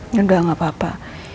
yaudah gak apa apa